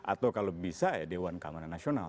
atau kalau bisa ya dewan keamanan nasional